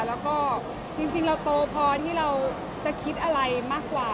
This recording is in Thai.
แล้วก็จริงเราโตพอที่เราจะคิดอะไรมากกว่า